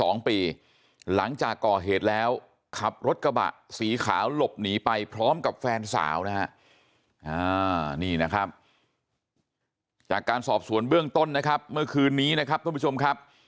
นี่นะครับจากการสอบส่วนเบื้องต้นนะครับเมื่อคืนนี้นะครับท่านผู้ชมครับ